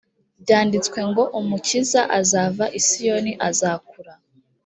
byanditswe ngo umukiza azava i siyoni azakura